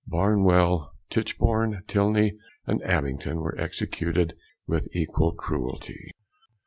Barnwell, Titchborne, Tilney, and Abington were executed with equal cruelty.